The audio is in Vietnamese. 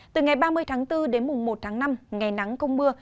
từ ngày ba mươi tháng bốn đến mùng một tháng năm ngày nắng không mưa